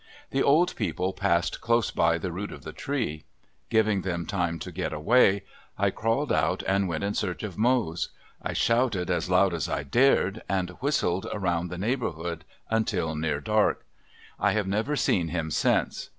The old people passed close by the root of the tree. Giving them time to get away, I crawled out and went in search of Mose. I shouted as loud as I dared, and whistled around the neighborhood until near dark. I have never seen him since.